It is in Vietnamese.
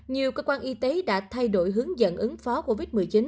nhiều cơ quan y tế đã thay đổi hướng dẫn ứng phó covid một mươi chín